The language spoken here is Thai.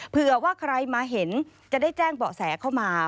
เผื่อว่าใครมาเห็นจะได้แจ้งเบาะแสเข้ามา